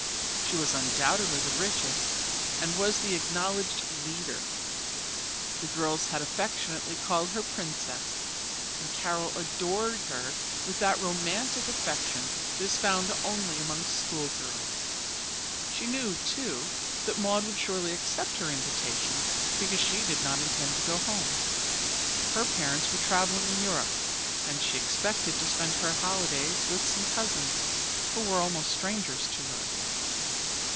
She was undoubtedly the richest, and was the acknowledged "leader." The girls affectionately called her "Princess," and Carol adored her with that romantic affection that is found only among school girls. She knew, too, that Maud would surely accept her invitation because she did not intend to go home. Her parents were travelling in Europe, and she expected to spend her holidays with some cousins, who were almost strangers to her.